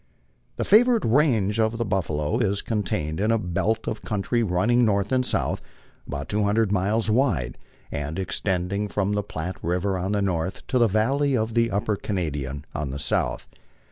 The favorite range of the buffalo is contained in a belt of country running north and south, about two hundred miles wide, and extending from the Platte river on the north to the valley of the Upper Canadian on the south.